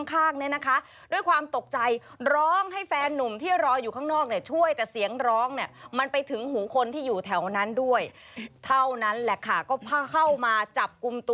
เขาเห็นเงาตะคุ่มตะคุ่ม